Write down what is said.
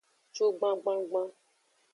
Cugban gbangban.